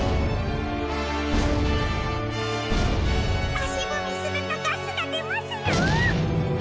あしぶみするとガスがでますよ！